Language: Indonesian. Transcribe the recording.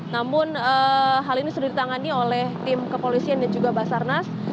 namun hal ini sudah ditangani oleh tim kepolisian dan juga basarnas